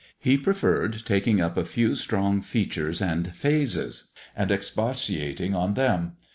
He preferred taking up a few strong features and phases, and expatiating on them.